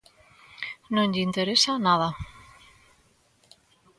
¡Non lle interesa nada!